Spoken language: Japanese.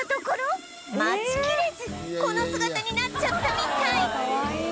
待ちきれずこの姿になっちゃったみたい